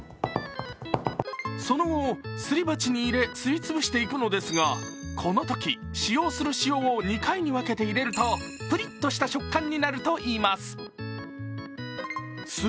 その後、すり鉢に入れ、すり潰していくのですが、このとき、使用する塩を２回に分けて入れるとぷりっとした食感になるといいます。